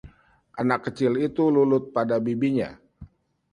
anak kecil itu lulut pada bibinya